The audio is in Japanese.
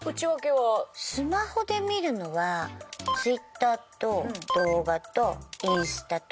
スマホで見るのはＴｗｉｔｔｅｒと動画とインスタと。